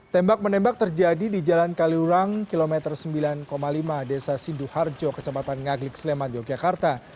tembak menembak terjadi di jalan kaliurang kilometer sembilan lima desa sindu harjo kecamatan ngaglik sleman yogyakarta